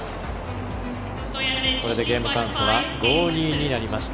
これでゲームカウントは５−２になりました。